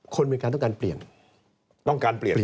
คนเมริกาต้องการเปลี่ยน